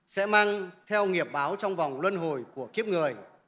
sẽ mang theo nghiệp báo trong vòng luân hồi của kiếp người